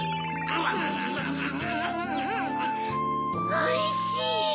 おいしい！